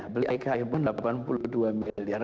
beli ikm delapan puluh dua miliar